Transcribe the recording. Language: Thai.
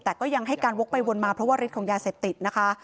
แต่ก็ยังให้การวกไปวนมาเพราะว่าฤทธิของยาเสพติดนะคะ